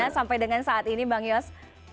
sampai dengan saat ini bang yos